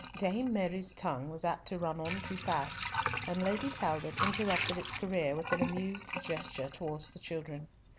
Dame Mary's tongue was apt to run on too fast, and Lady Talbot interrupted its career with an amused gesture towards the children.